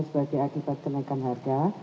sebagai akibat kenaikan harga